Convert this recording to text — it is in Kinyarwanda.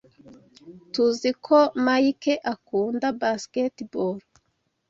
TUZI ko Mike akunda basketball.